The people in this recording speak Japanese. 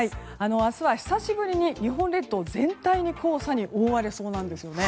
明日は久しぶりに日本列島全体が黄砂に覆われそうなんですよね。